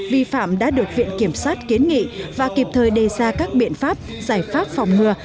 vi phạm đã được viện kiểm sát kiến nghị và kịp thời đề ra các biện pháp giải pháp phòng ngừa